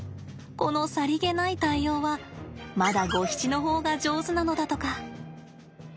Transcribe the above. このさりげない対応はまだゴヒチの方が上手なのだとか。